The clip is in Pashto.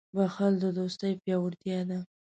• بښل د دوستۍ پیاوړتیا ده.